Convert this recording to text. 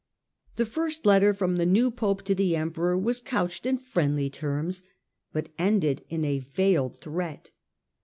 The first letter from the new Pope to the Emperor was couched in friendly terms but ended in a veiled threat.